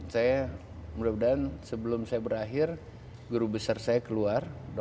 saya mudah mudahan sebelum saya berakhir guru besar saya keluar